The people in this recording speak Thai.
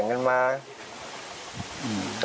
กินมาโทรด้านเหมือนกันครับ